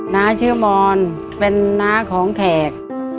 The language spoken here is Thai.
น้าชื่อมอนเป็นน้าของแขก